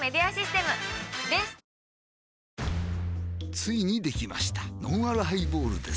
ついにできましたのんあるハイボールです